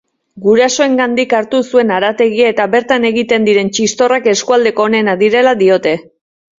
Gurasoengandik hartu zuen harategia eta bertan egiten diren txistorrak eskualdeko onenak direla diote.